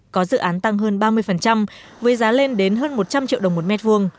có dự án tăng hơn ba mươi với giá lên đến hơn một trăm linh triệu đồng một mét vuông